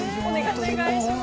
お願いします。